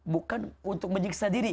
bukan untuk menyiksa diri